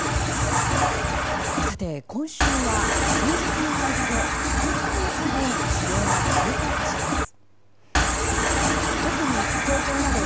今週は数日の間で３か月分気温が急降下します。